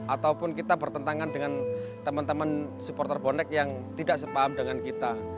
ataupun kita bertentangan dengan teman teman supporter bonek yang tidak sepaham dengan kita